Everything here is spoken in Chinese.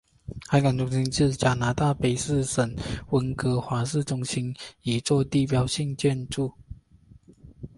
海港中心是加拿大卑诗省温哥华市中心一座地标性建筑。